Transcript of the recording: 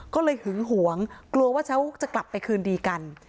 ก็เลยหึงหวงกลัวว่าเขาจะกลับไปคืนดีกัน